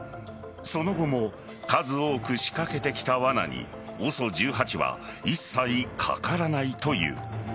その後も数多く仕掛けてきたわなにＯＳＯ１８は一切かからないという。